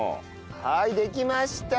はいできました！